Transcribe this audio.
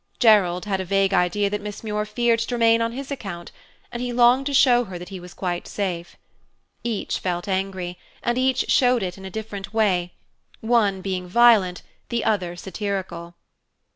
Gerald had a vague idea that Miss Muir feared to remain on his account, and he longed to show her that he was quite safe. Each felt angry, and each showed it in a different way, one being violent, the other satirical.